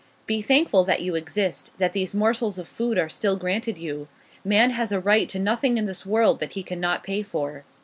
'Be thankful that you exist, that these morsels of food are still granted you. Man has a right to nothing in this world that he cannot pay for.